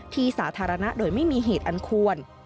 ที่สาธารณะโดยไม่มีเหตุอันควร